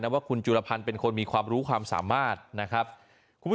ว่าคุณจุลพันธ์เป็นคนมีความรู้ความสามารถนะครับคุณผู้ชม